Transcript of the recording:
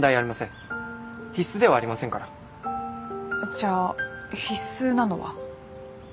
じゃあ必須なのは？